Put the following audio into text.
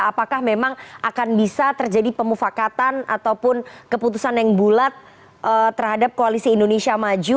apakah memang akan bisa terjadi pemufakatan ataupun keputusan yang bulat terhadap koalisi indonesia maju